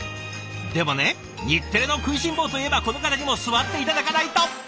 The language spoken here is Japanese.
でもね日テレの食いしん坊といえばこの方にも座って頂かないと！